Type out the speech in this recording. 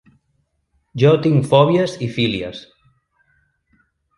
Jo tinc fòbies i fílies.